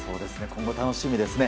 今後、楽しみですね。